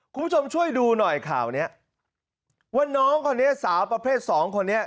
คุณผู้ชมช่วยดูหน่อยข่าวเนี้ยว่าน้องคนนี้สาวประเภทสองคนนี้